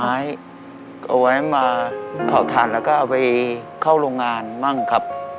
ตัดไม้เอาไว้มาเอาถาดแล้วก็เอาไปเข้าโรงงานบ้างครับ